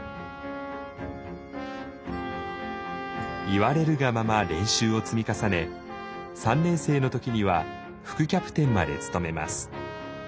言われるがまま練習を積み重ね３年生の時には副キャプテンまで務めます。